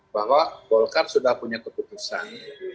bahwa golkar sudah punya keputusan